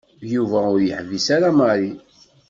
Yuba ur yeḥbis ara Mary.